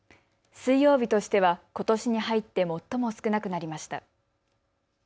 水曜日としては、ことしに入って最も少なくなりました。